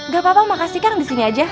gak apa apa makasih kang disini aja